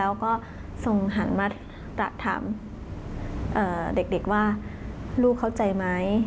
แล้วก็ทรงหันมาปรักฐ์ทำเอ่อเด็กว่าลูกเข้าใจมั้ย